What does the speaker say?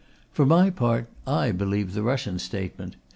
For my part, I believe the Russian statement.